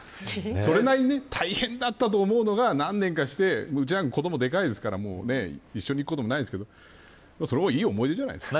それなりに大変だったと思うのが、何年かしてうちは子どもでかいですから一緒に行く事もないですけどそれもいい思い出じゃないですか。